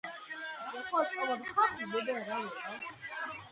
იყო რუსეთ-იაპონიის ომის მონაწილე და პირველი მსოფლიო ომის გმირი.